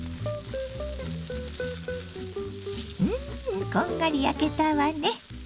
うんこんがり焼けたわね。